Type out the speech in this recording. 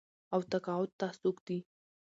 او تقاعد ته سوق دي